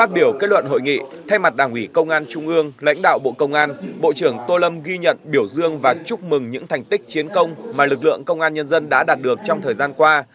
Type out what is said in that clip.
bộ trưởng tô lâm ghi nhận biểu dương và chúc mừng những thành tích chiến công mà lực lượng công an nhân dân đã đạt được trong thời gian qua